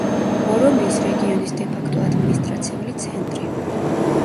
ორომიის რეგიონის დე-ფაქტო ადმინისტრაციული ცენტრი.